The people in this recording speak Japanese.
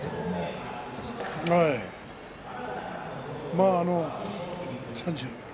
まあ、３６？